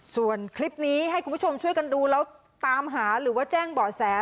ส่วนคลิปนี้ให้คุณผู้ชมช่วยกันดูแล้วตามหาหรือว่าแจ้งเบาะแส